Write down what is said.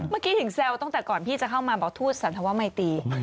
เมื่อกี้ถึงแซวตั้งแต่ก่อนพี่จะเข้ามาบอกทูตสันธวมัยตี